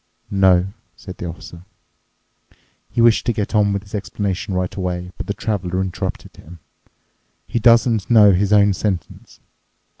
"No," said the Officer. He wished to get on with his explanation right away, but the Traveler interrupted him: "He doesn't know his own sentence?"